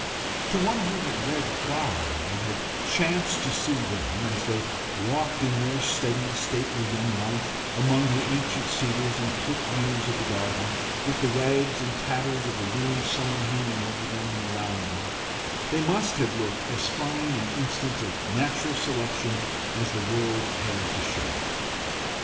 To one who had read Darwin, and had chanced to see them as they walked in their steady, stately young life among the ancient cedars and clipped yews of the garden, with the rags and tatters of the ruined summer hanging over and around them, they must have looked as fine an instance of natural selection as the world had to show.